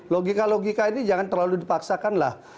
logika logika ini jangan terlalu dipaksakanlah